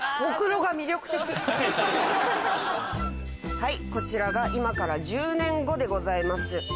はいこちらが今から１０年後でございます。